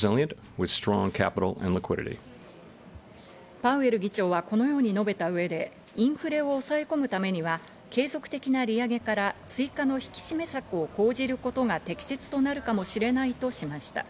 パウエル議長はこのように述べたうえでインフレを抑え込むためには継続的な利上げから追加の引き締め策を講じることが適切となるかもしれないとしました。